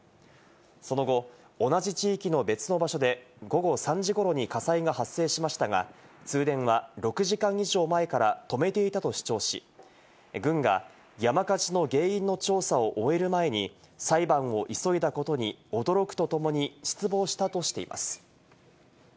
その後、同じ地域の別の場所で、午後３時ごろに火災が発生しましたが、通電は６時間以上前から止めていたと主張し、郡が山火事の原因の調査を終える前に裁判を急いだことに驚くと共に失望したとしています。